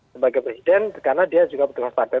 sebagai presiden karena dia juga petugas partai